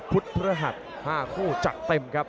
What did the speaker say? พระหัส๕คู่จัดเต็มครับ